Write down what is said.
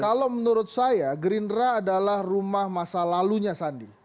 kalau menurut saya gerindra adalah rumah masa lalunya sandi